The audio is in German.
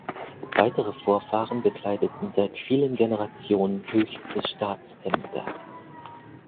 Weitere Vorfahren bekleideten seit vielen Generationen höchste Staatsämter.